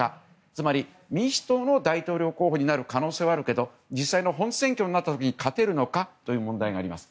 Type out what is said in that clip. つまり、民主党の大統領候補になる可能性はあるけど実際の本選挙になった時に勝てるのかという問題があります。